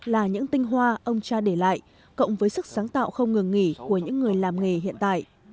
là những tinh hoa ông cha để lại cộng với sức sáng tạo không ngừng nghỉ của những người làm nghề hiện tại